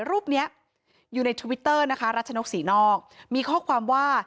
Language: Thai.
รูปเนี้ยอยู่ในทวิตเตอร์นะคะรัชนกศรีนอกมีข้อความว่า